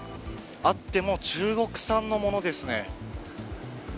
あっても中国産のものですね。